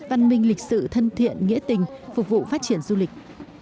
văn minh lịch sự thân thiện nghĩa tình phục vụ phát triển du lịch